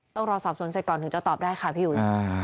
ต้องรอสอบสวนเสร็จก่อนถึงจะตอบได้ค่ะพี่อุ๋ย